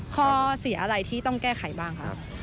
ข้อเสียอะไรที่ต้องแก้ไขบ้างครับ